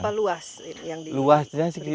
seberapa luas yang diberikan